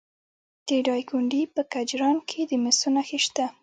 د دایکنډي په کجران کې د مسو نښې شته.